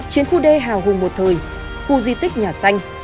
chiến khu đê hào hùng một thời khu di tích nhà xanh